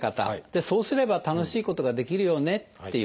そうすれば楽しいことができるよねっていうこと。